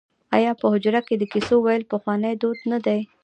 آیا په حجره کې د کیسو ویل پخوانی دود نه دی؟